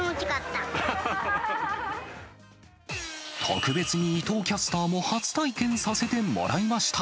特別に伊藤キャスターも初体験させてもらいました。